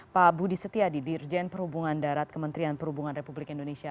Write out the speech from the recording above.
pak budi setiadi dirjen perhubungan darat kementerian perhubungan republik indonesia